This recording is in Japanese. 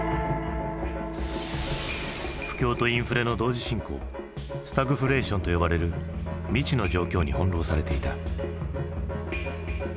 不況とインフレの同時進行スタグフレーションと呼ばれる未知の状況に翻弄されていた。